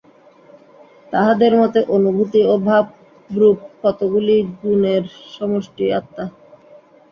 তাঁহাদের মতে অনুভূতি ও ভাবরূপ কতকগুলি গুণের সমষ্টিই আত্মা।